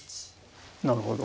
なるほど。